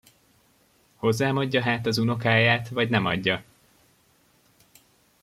Hozzám adja hát az unokáját, vagy nem adja?